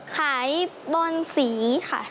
ขายบอนหวังบอนสีค่ะ